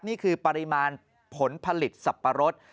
นี่คือปริมาณผลผลิตสับปะรด